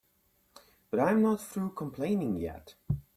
But I'm not through complaining yet.